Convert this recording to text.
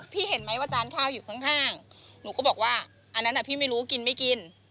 เห็นไหมว่าจานข้าวอยู่ข้างหนูก็บอกว่าอันนั้นพี่ไม่รู้กินไม่กิน